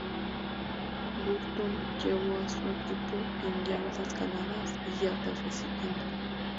Burton llevó a su equipo en yardas ganadas y yardas recibiendo.